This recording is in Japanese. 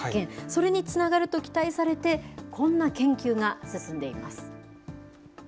それにつながると期待されて、こんな研究が進んでいます。